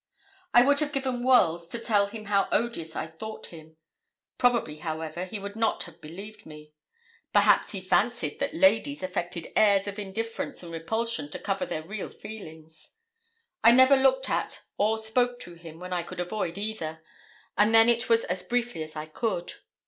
I would have given worlds to tell him how odious I thought him. Probably, however, he would not have believed me. Perhaps he fancied that 'ladies' affected airs of indifference and repulsion to cover their real feelings. I never looked at or spoke to him when I could avoid either, and then it was as briefly as I could.